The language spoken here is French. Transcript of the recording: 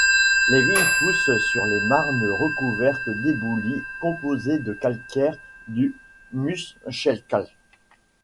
Les vignes poussent sur des marnes recouvertes d'éboulis composés de calcaires du Muschelkalk.